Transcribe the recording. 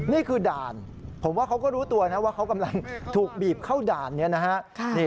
นี่คือด่านผมว่าเขาก็รู้ตัวนะว่าเขากำลังถูกบีบเข้าด่านนี้นะฮะ